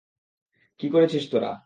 কী করেছিস তোরা?